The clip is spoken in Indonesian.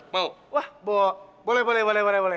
wah boh boleh boleh boleh